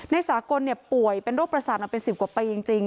ในสากลเนี่ยป่วยเป็นโรคประสาทมาเป็นสิบกว่าปีจริงจริง